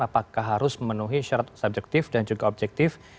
apakah harus memenuhi syarat subjektif dan juga objektif